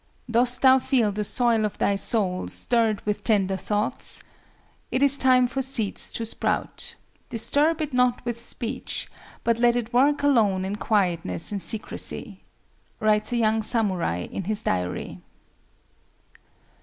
"Dost thou feel the soil of thy soul stirred with tender thoughts? It is time for seeds to sprout. Disturb it not with speech; but let it work alone in quietness and secrecy,"—writes a young samurai in his diary.